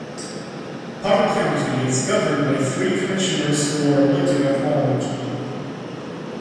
Potter County is governed by three commissioners who are elected at large.